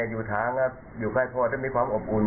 อยู่ใกล้พ่อจะมีความอบอุ่น